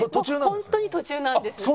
ホントに途中なんです。